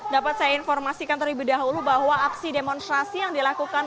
dapat saya informasikan terlebih dahulu bahwa aksi demonstrasi yang dilakukan